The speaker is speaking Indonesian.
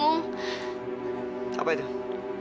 ada sesuatu yang selalu buat aku bingung